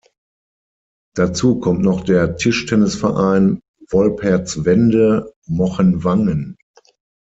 Dazu kommt noch der Tischtennisverein Wolpertswende-Mochenwangen.